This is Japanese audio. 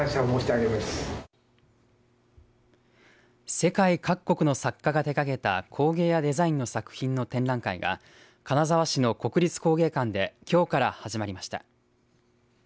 世界各国の作家が手がけた工芸やデザインの作品の展覧会が金沢市の国立工芸館できょうから始まりました。